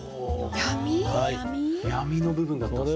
闇の部分だったんですね。